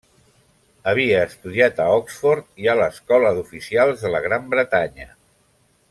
Havia estudiat a Oxford i a l'escola d'oficials de la Gran Bretanya.